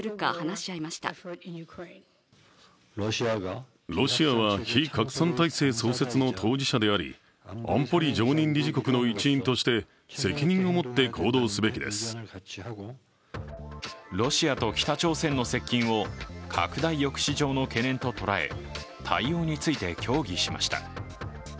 これに対し米韓はロシアと北朝鮮の接近を拡大抑止上の懸念と捉え対応について協議しました。